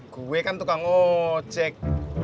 gue kan tukang ojek